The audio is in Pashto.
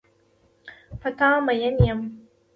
په تا مین یم.